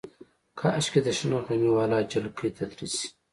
کاشکې د شنه غمي واله جلکۍ تدریس شي.